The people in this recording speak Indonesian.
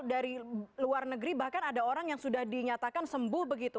dari luar negeri bahkan ada orang yang sudah dinyatakan sembuh begitu